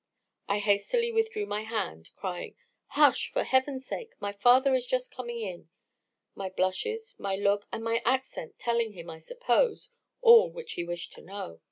I hastily withdrew my hand, crying, Hush! for heaven's sake, my father is just coming in; my blushes, my look, and my accent, telling him, I suppose, all which he wished to know.